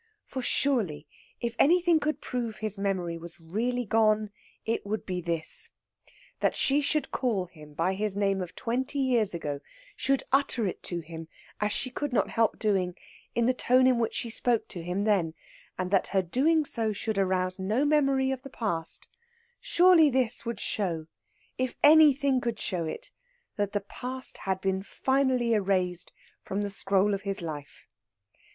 For surely, if anything could prove his memory was really gone, it would be this. That she should call him by his name of twenty years ago should utter it to him, as she could not help doing, in the tone in which she spoke to him then, and that her doing so should arouse no memory of the past surely this would show, if anything could show it, that that past had been finally erased from the scroll of his life.